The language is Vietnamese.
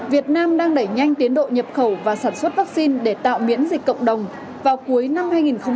việt nam đang đẩy nhanh tiến độ nhập khẩu và sản xuất vaccine để tạo miễn dịch cộng đồng vào cuối năm hai nghìn hai mươi